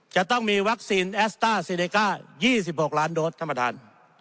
จะต้องมีวัคซีนแอสต้าซีเดก้า๒๖ล้านโดสท่านประธาน